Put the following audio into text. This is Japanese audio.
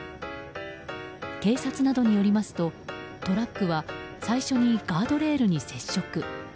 警察などによりますとトラックは最初にガードレールに接触。